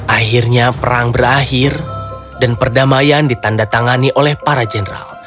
akhirnya perang berakhir dan perdamaian ditanda tangani oleh para jenderal